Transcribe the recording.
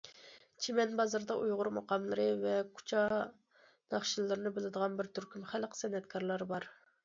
چىمەن بازىرىدا ئۇيغۇر مۇقاملىرى ۋە كۇچا ناخشىلىرىنى بىلىدىغان بىر تۈركۈم خەلق سەنئەتكارلىرى بار.